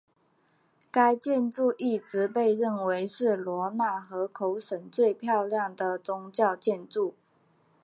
该建筑一直被认为是罗讷河口省最漂亮的宗教建筑。